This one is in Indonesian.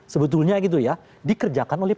sebetulnya gitu ya dikerjakan oleh